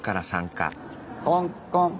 コンコン。